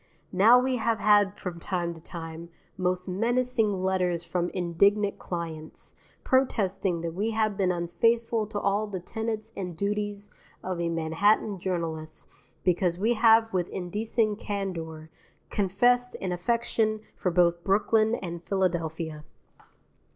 Now we have had from time to time, most menacing letters from indignant clients, protesting that we have been unfaithful to all the tenets and duties of a Manhattan journalist because we have with indecent candour confessed an affection for both Brooklyn and Philadelphia.